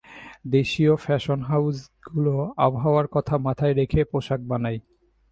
দেশীয় ফ্যাশন হাউসগুলো আবহাওয়ার কথা মাথায় রেখে পোশাক বানায়।